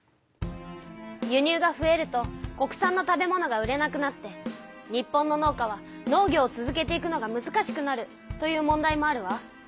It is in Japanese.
輸入がふえると国産の食べ物が売れなくなって日本の農家は農業を続けていくのがむずかしくなるという問題もあるわ。